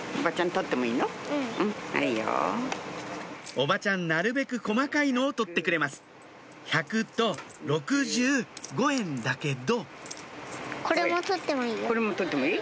おばちゃんなるべく細かいのを取ってくれます１００と６５円だけどこれも取ってもいい？